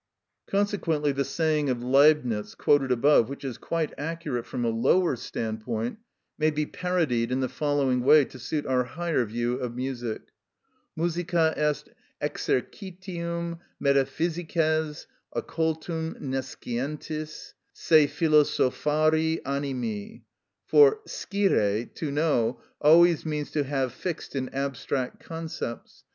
Consequently the saying of Leibnitz quoted above, which is quite accurate from a lower standpoint, may be parodied in the following way to suit our higher view of music: Musica est exercitium metaphysices occultum nescientis se philosophari animi; for scire, to know, always means to have fixed in abstract concepts.